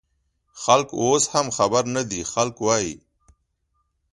خلک اوس هم خبر نه دي، خلک وايي